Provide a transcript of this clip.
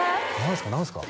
何すか？